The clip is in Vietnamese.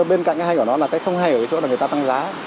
bên cạnh cái hay của nó là cái không hay ở chỗ là người ta tăng giá